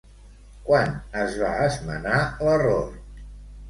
Quan es va esmenar l'error?